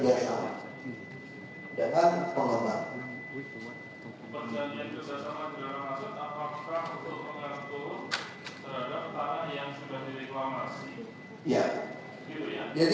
perjanjian kerjasama dengan masyarakat apakah untuk mengatur seragam tanah yang sudah direklamasi